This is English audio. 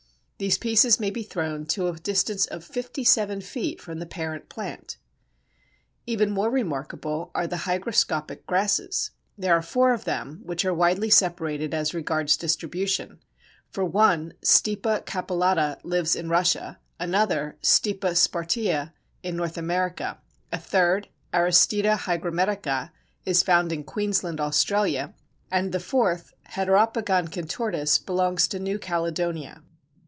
These pieces may be thrown to a distance of fifty seven feet from the parent plant. Even more remarkable are the hygroscopic grasses. There are four of them, which are widely separated as regards distribution, for one (Stipa capillata) lives in Russia, another (Stipa spartea) in North America, a third (Aristida hygrometrica) is found in Queensland (Australia), and the fourth (Heteropogon contortus) belongs to New Caledonia.